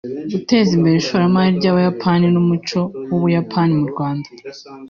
guteza imbere ishoramari ry’Abayapani n’umuco w’u Buyapani mu Rwanda